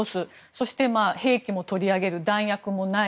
そして兵器も取り上げる弾薬もない。